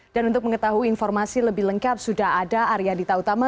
dan untuk mengetahui informasi lebih lengkap sudah ada arya dita utama